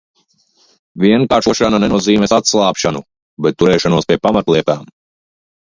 Vienkāršošana nenozīmēs atslābšanu, bet turēšanos pie pamatlietām.